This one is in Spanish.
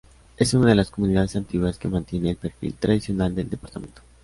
Es una de las comunidades antiguas que mantiene el perfil tradicional del departamento.